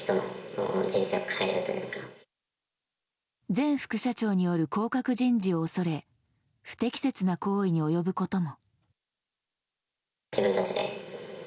前副社長による降格人事を恐れ不適切な行為に及ぶことも。